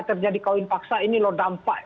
terjadi kawin paksa ini loh dampak